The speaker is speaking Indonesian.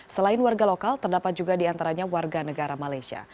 selain warga lokal terdapat juga diantaranya warga negara malaysia